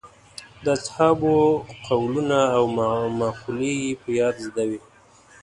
د اصحابو قولونه او مقولې یې په یاد زده وې.